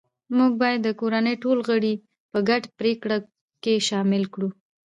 موږ باید د کورنۍ ټول غړي په ګډو پریکړو کې شامل کړو